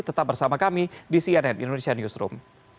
tetap bersama kami di cnn indonesia newsroom